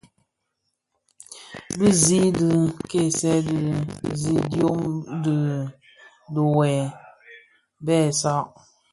Bi dhi kèsi di zidyōm di dhiňwê bè saad.